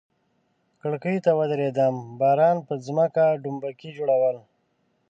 کړکۍ ته ودریدم، باران پر مځکه ډومبکي جوړول.